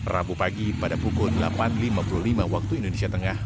rabu pagi pada pukul delapan lima puluh lima waktu indonesia tengah